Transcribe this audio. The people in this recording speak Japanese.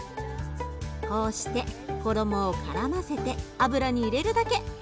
こうして衣をからませて油に入れるだけ。